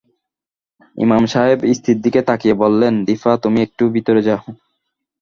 ইমাম সাহেব স্ত্রীর দিকে তাকিয়ে বললেন- দিপা, তুমি একটু ভিতরে যাও।